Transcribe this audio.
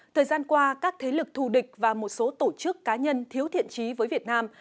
thời gian qua các thế lực thù địch và một số tổ chức cá nhân thiếu thiện trí với việt nam